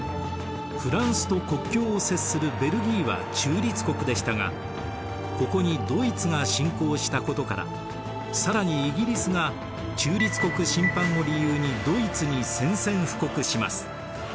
フランスと国境を接するベルギーは中立国でしたがここにドイツが侵攻したことから更にイギリスが中立国侵犯を理由にドイツに宣戦布告します。